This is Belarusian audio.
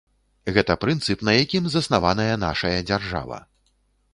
Гэта прынцып, на якім заснаваная нашая дзяржава.